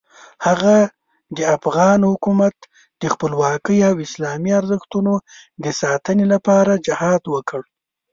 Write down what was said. هغه د افغان خلکو د خپلواکۍ او اسلامي ارزښتونو د ساتنې لپاره جهاد وکړ.